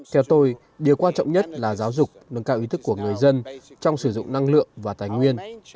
theo tôi điều quan trọng nhất là giáo dục nâng cao ý thức của người dân trong sử dụng năng lượng và tài nguyên